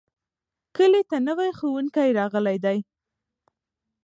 کلي ته نوی ښوونکی راغلی دی.